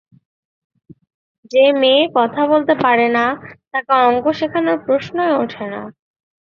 যে-মেয়ে কথা বলতে পারে না, তাকে অঙ্ক শেখানোর প্রশ্নই ওঠে না।